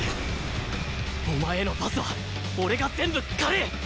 お前へのパスは俺が全部狩る！